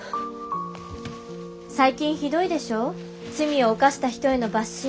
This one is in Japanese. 最近ひどいでしょ罪を犯した人へのバッシング。